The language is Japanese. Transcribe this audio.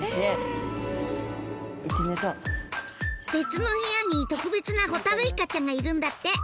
別の部屋に特別なホタルイカちゃんがいるんだって。